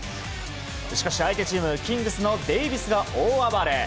しかし相手チームキングスのデイビスが大暴れ。